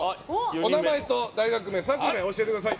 お名前と大学名サークル名を教えてください。